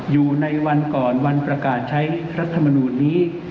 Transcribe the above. อยู่ในวันก่อนวันประกาศใช้รัฐมนูลนี้